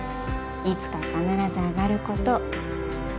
「いつか必ずあがることを」